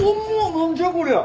何じゃこりゃ。